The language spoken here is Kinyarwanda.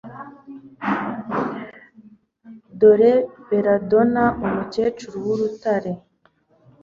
Dore Belladonna Umukecuru wUrutare